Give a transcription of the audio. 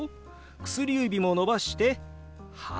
薬指も伸ばして「８」。